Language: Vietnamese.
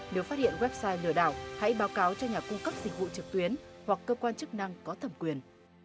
nếu phát hiện website lừa đảo hãy báo cáo cho nhà cung cấp dịch vụ trực tuyến hoặc cơ quan chức năng có thẩm quyền